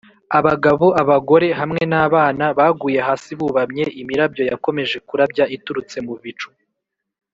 abagabo, abagore hamwe n’abana, baguye hasi bubamye imirabyo yakomeje kurabya iturutse mu bicu